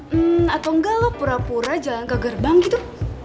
hmm atau enggak loh pura pura jalan ke gerbang gitu